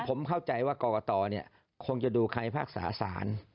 ผมเข้าใจว่ากกตคงจะดูคลายภาคศาสาร